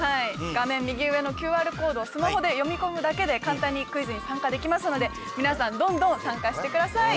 画面右上のＱＲコードをスマホで読み込むだけで簡単にクイズに参加できますので皆さんどんどん参加してください。